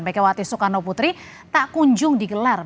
bekewati soekarno putri tak kunjung di gelar